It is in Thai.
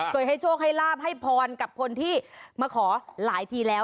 เคยให้โชคให้ลาบให้พรกับคนที่มาขอหลายทีแล้ว